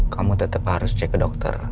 kamu tetap harus cek ke dokter